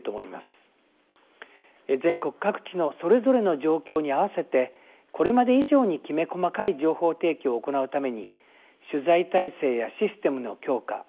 全国各地のそれぞれの状況に合わせてこれまで以上にきめ細かい情報提供を行うために取材態勢やシステムの強化